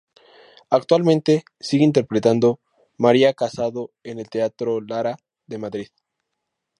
Actualmente sigue interpretando María Casado en el Teatro Lara de Madrid.